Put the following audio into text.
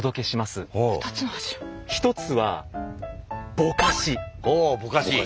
１つは「ぼかし」。